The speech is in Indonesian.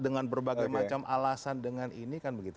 dengan berbagai macam alasan dengan ini